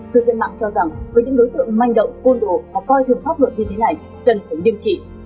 cư dân mạng cho rằng với những đối tượng manh động côn đồ và coi thường pháp luật như thế này cần phải nghiêm trị